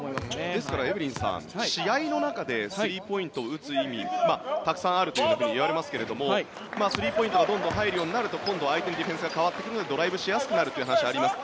ですからエブリンさん試合の中でスリーポイントを打つ意味たくさんあるというふうに言われますけどスリーポイントがどんどん入るようになると今度は相手のディフェンスが変わってくるのでドライブしやすくなるという話があります。